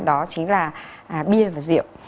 đó chính là bia và rượu